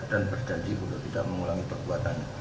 dan berjanji untuk tidak mengulangi perbuatan